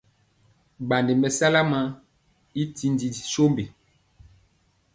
Ɓandi mɛsala maŋ i tindi sombi.